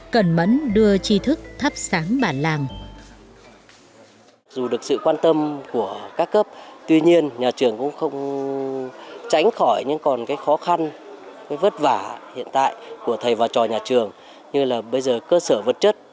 cần mẫn đưa tri thức thắp sáng bản làm